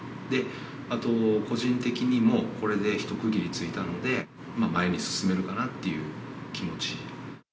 あと、個人的にも、これで一区切りついたので、前に進めるかなっていう気持ち。